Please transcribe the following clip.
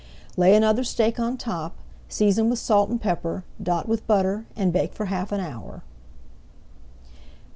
Lay another steak on top, season with salt and pepper, dot with butter, and bake for half an hour.